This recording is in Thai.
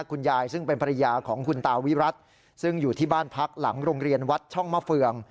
คุณยายซึ่งเป็นภรรยาของคุณตาวิรัติซึ่งอยู่ที่บ้านพักหลังโรงเรียนวัดช่องมะเฟือง